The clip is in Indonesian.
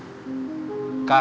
kasih tahu bapak